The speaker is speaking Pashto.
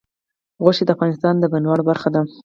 غوښې د افغانستان د بڼوالۍ برخه ده.